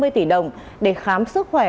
một trăm năm mươi tỷ đồng để khám sức khỏe